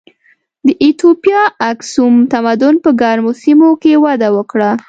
د ایتوپیا اکسوم تمدن په ګرمو سیمو کې وده وکړه.